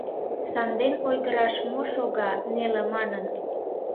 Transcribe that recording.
Санден ойгыраш мо шога, неле манын?